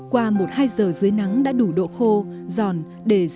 qua một hai giờ dưới nắng đã đủ độ khô giòn để dùng để làm bánh truyền thống